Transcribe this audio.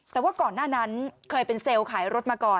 แต่ว่าก่อนหน้านั้นเคยเป็นเซลล์ขายรถมาก่อน